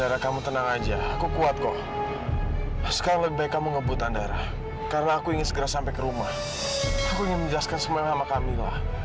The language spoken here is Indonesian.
aku ingin menjelaskan semuanya sama kamilah